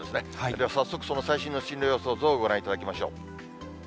では、早速、その最新の進路予想図をご覧いただきましょう。